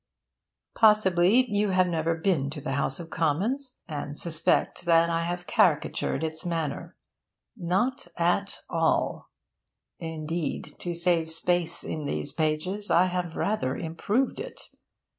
Possibly you have never been to the House of Commons, and suspect that I have caricatured its manner. Not at all. Indeed, to save space in these pages, I have rather improved it.